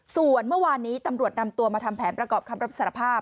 ส่วนเมื่อวานนี้ตำรวจนำตัวมาทำแผนประกอบคำรับสารภาพ